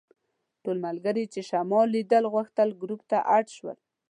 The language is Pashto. ټول ملګري چې شمال لیدل غوښتل ګروپ ته اډ شول.